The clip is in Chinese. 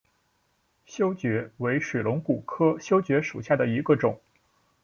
修蕨为水龙骨科修蕨属下的一个种。